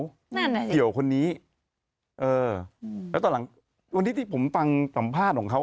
ใช่ใช่ไหมคือกี่เกี่ยวให้คนนี้แต่ตอนหลังวันนี้ที่ผมฟังสัมภาษณ์ของเขา